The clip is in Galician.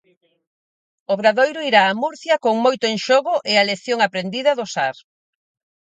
Obradoiro irá a Murcia con moito en xogo e a lección aprendida do Sar.